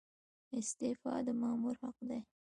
استعفا د مامور حق دی